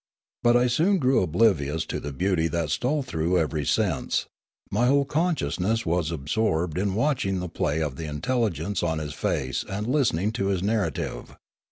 But I soon grew oblivious to the beauty that stole through every sense; my whole consciousness was ab sorbed in watching the play of the intelligence on his face and listening to his narrative.